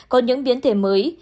có những biến thể mới